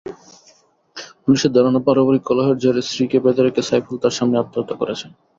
পুলিশের ধারণা, পারিবারিক কলহের জেরে স্ত্রীকে বেঁধে রেখে সাইফুল তাঁর সামনেই আত্মহত্যা করেছেন।